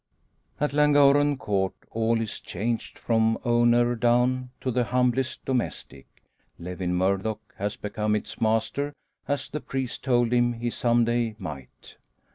At Llangorren Court all is changed, from owner down to the humblest domestic. Lewin Murdock has become its master, as the priest told him he some day might.